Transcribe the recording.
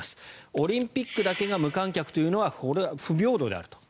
オリンピックだけが無観客というのは不平等であると。